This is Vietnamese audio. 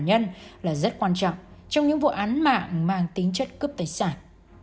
nạn nhân là rất quan trọng trong những vụ án mạng mang tính chất cướp tài sản